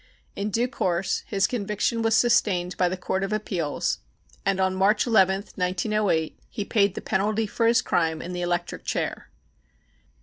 In due course his conviction was sustained by the Court of Appeals, and on March 11th, 1908, he paid the penalty for his crime in the electric chair.